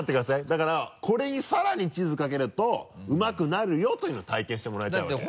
だから「これにさらにチーズをかけるとうまくなるよ」というのを体験してもらいたいわけ。